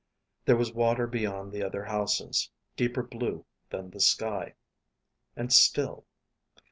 There was water beyond the other houses, deeper blue than the sky, and still.